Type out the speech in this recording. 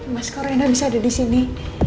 mas kok rina bisa ada di sini